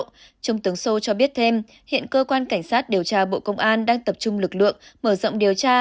trung tướng sô cho biết thêm hiện cơ quan cảnh sát điều tra bộ công an đang tập trung lực lượng mở rộng điều tra